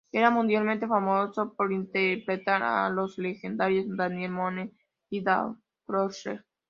Era mundialmente famoso por interpretar a los legendarios Daniel Boone y Davy Crockett.